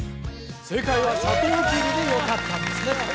正解は「サトウキビ」でよかったんですね